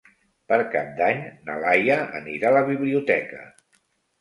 Per Cap d'Any na Laia anirà a la biblioteca.